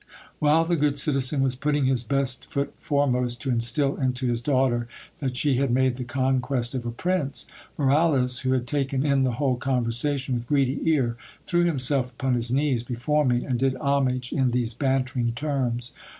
While the good.citizen was putting his best foot foremost, to instil into his daughter that she had made the conquest of a prince, Moralez, who had taken in the whole conversation with greedy ear, threw himself upon his knees before me, and did homage in these bantering terms.